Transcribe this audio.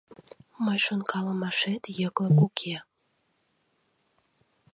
— Мый шонкалымашет йыклык уке.